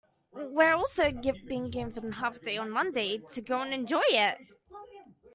We're also being given a half day on Monday to go and enjoy it.